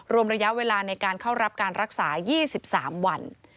รวมระยะเวลาในการเข้ารับการรักษา๒๓วัน